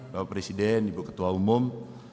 bapak presiden ibu ketua umum